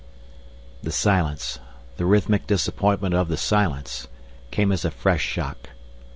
The silence, the rhythmic disappointment of the silence, came as a fresh shock.